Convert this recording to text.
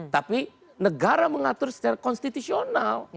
tapi negara mengatur secara konstitusional